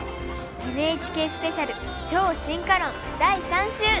ＮＨＫスペシャル「超進化論第３集」。